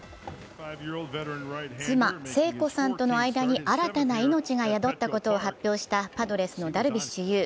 妻・聖子さんとの間に新たな命が宿ったことを発表したパドレスのダルビッシュ有。